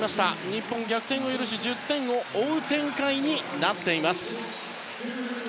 日本、逆転を許し１０点を追う展開になっています。